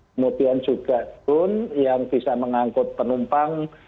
kemudian juga drone yang bisa mengangkut penumpang